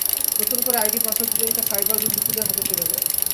নতুন করে ID password দিলেই তা সাইবার দুর্বৃত্তদের হাতে চলে যায়।